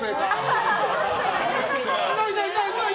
ないない、ないない！